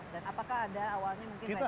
dan apakah ada awalnya mungkin resistensi